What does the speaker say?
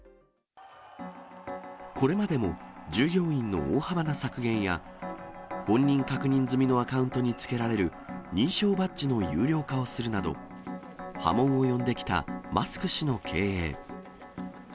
これまでも従業員の大幅な削減や、本人確認済みのアカウントにつけられる認証バッジの有料化をするなど、波紋を呼んできたマスク氏の経営。